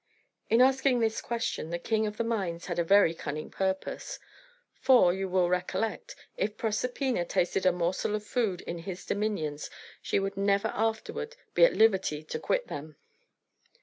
In asking this question, the king of the mines had a very cunning purpose; for, you will recollect, if Proserpina tasted a morsel of food in his dominions, she would never afterward be at liberty to quit them.